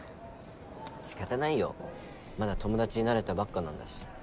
仕方ないよまだ友達になれたばっかなんだし。